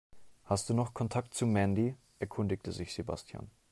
Hast du noch Kontakt zu Mandy?, erkundigte sich Sebastian.